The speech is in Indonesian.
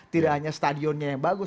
tidak hanya stadionnya yang bagus